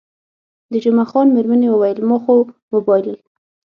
د جمعه خان میرمنې وویل، ما خو وبایلل.